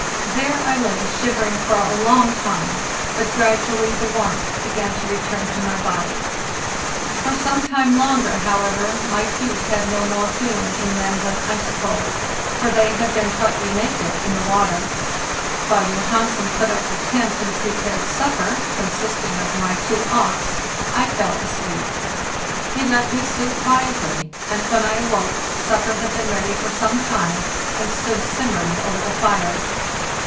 There I lay shivering for a long time, but gradually the warmth began to return to my body. For some time longer, however, my feet had no more feeling in them than icicles, for they had been partly naked in the water. While Johansen put up the tent and prepared supper, consisting of my two auks, I fell asleep. He let me sleep quietly, and when I awoke supper had been ready for some time, and stood simmering over the fire.